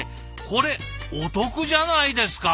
これお得じゃないですか？